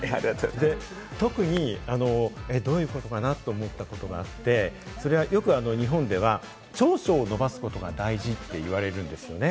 特にどういうことかな？と思ったのがあって、それはよく日本では長所を伸ばすことが大事って言われるんですよね。